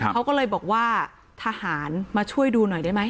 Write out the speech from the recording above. เขาก็เลยบอกว่าทหารมาช่วยดูหน่อยได้ไหม